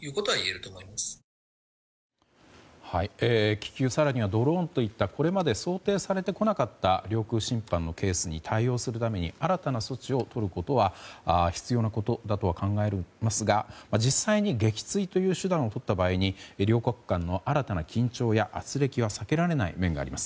気球、更にはドローンといったこれまで想定されてこなかった領空侵犯のケースに対応するために新たな措置をとることは必要なことだとは考えますが実際に撃墜という手段をとった場合に両国間の新たな緊張や軋轢は避けられない面があります。